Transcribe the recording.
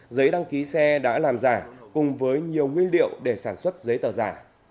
giấy đăng ký xe đã làm giả cùng với nhiều nguyên liệu để sản xuất giấy tờ giả